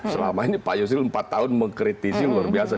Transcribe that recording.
selama ini pak yusril empat tahun mengkritisi luar biasa